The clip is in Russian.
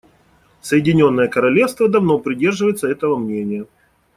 Соединенное Королевство давно придерживается этого мнения.